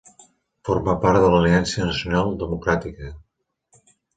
Forma part de l'Aliança Nacional Democràtica.